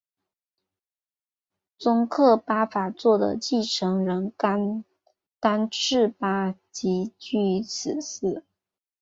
宗喀巴法座的继承人甘丹赤巴即居于此寺。